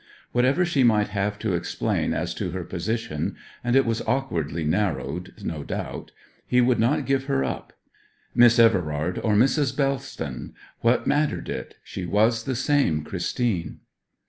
Whatever she might have to explain as to her position and it was awkwardly narrowed, no doubt he could not give her up. Miss Everard or Mrs. Bellston, what mattered it? she was the same Christine.